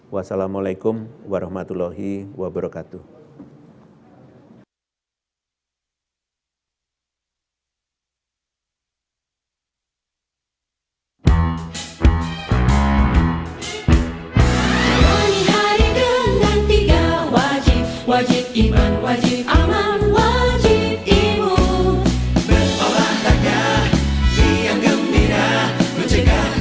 wassalamu'alaikum warahmatullahi wabarakatuh